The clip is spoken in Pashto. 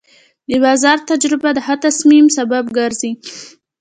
د بازار تجربه د ښه تصمیم سبب ګرځي.